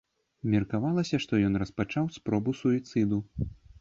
Меркавалася, што ён распачаў спробу суіцыду.